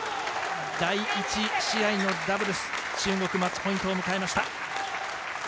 第１試合のダブルス中国、マッチポイントを迎えました。